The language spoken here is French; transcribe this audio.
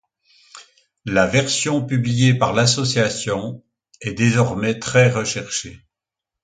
La version publiée par L'Association est désormais très recherchée.